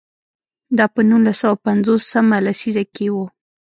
دا په نولس سوه پنځوس مه لسیزه کې و.